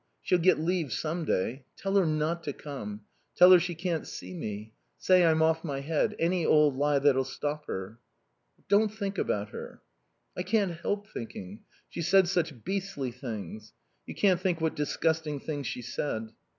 She'll get leave some day. Tell her not to come. Tell her she can't see me. Say I'm off my head. Any old lie that'll stop her." "Don't think about her." "I can't help thinking. She said such beastly things. You can't think what disgusting things she said."